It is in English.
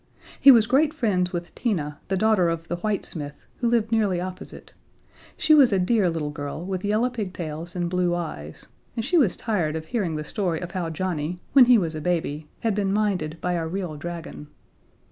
He was great friends with Tina, the daughter of the whitesmith, who lived nearly opposite. She was a dear little girl with yellow pigtails and blue eyes, and she was tired of hearing the story of how Johnnie, when he was a baby, had been minded by a real dragon.